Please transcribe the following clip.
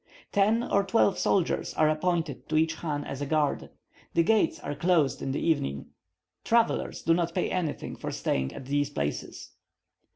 Ten or twelve soldiers are appointed to each chan as a guard. The gates are closed in the evening. Travellers do not pay anything for staying at these places.